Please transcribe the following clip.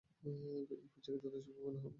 এই প্রসঙ্গে যথাসময়ে বলা হবে।